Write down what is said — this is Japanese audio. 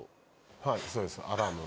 はいそうですアラーム。